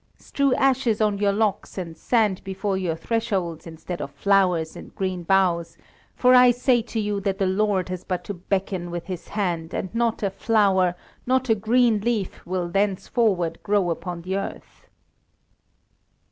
Strew ashes on your locks and sand before your thresholds instead of flowers and green boughs, for I say to you that the Lord has but to beckon with His hand and not a flower, not a green leaf will thenceforward grow upon the earth!"